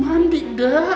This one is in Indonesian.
gue lagi mandi da